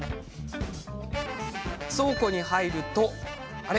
倉庫に入るとあれ？